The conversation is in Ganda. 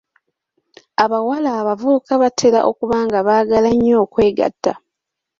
Abawala abavubuka batera okuba nga baagala nnyo okwegatta.